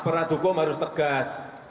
nah perat hukum harus tegas